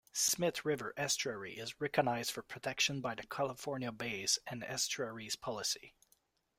Smith River estuary is recognized for protection by the California Bays and Estuaries Policy.